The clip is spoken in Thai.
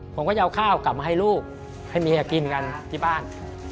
ผมก็จะเอาข้าวกลับมาให้ลูกให้เมียกินกันที่บ้าน